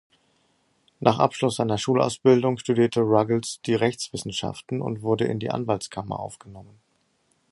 Nach Abschluss seiner Schulausbildung studierte Ruggles die Rechtswissenschaften und wurde in die Anwaltskammer aufgenommen.